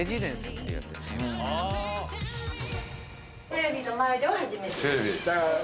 テレビの前では初めて。